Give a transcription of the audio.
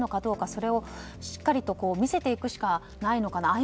それをしっかりと見せていくしかないのかなと。